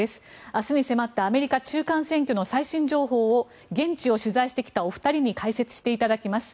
明日に迫ったアメリカ中間選挙最新情報を現地を取材してきたお二人に解説していただきます。